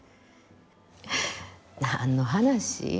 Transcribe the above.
何の話？